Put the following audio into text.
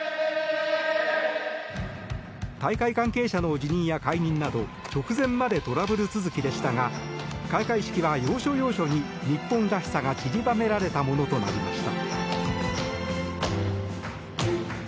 大会関係者の辞任や解任など直前までトラブル続きでしたが開会式は要所要所に日本らしさがちりばめられたものとなりました。